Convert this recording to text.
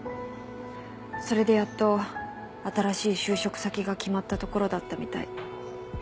それでやっと新しい就職先が決まったところだったみたい。